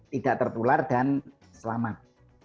tidak tertular dan selamat